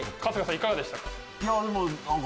いかがでしたか？